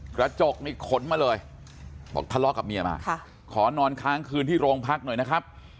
กระจกนี่ขนมาเลยบอกทะเลาะกับเมียมาขอนอนค้างคืนที่โรงพักหน่อยนะครับ